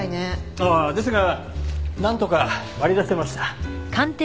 ああですがなんとか割り出せました。